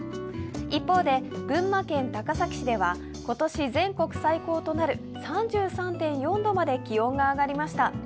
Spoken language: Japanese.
一方で、群馬県高崎市では今年全国最高となる３３．４度まで気温が上がりました。